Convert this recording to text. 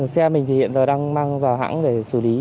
xe mình thì hiện giờ đang mang vào hãng để xử lý